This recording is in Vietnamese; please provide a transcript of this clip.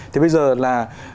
thì bây giờ là